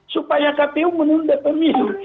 supaya kpu menunda pemilu